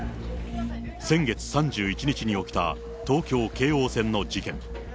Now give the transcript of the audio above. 先月３１日に起きた東京・京王線の事件。